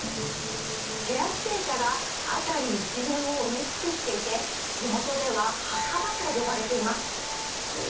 シェア自転車が辺り一面を埋め尽くしていて地元では墓場と呼ばれています。